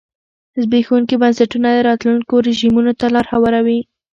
زبېښونکي بنسټونه راتلونکو رژیمونو ته لار هواروي.